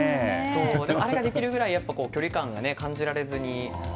あれができるぐらい距離感を感じられずに。